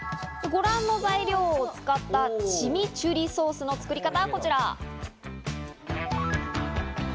ご覧の材料を使ったチミチュリソースの作り方はこちら。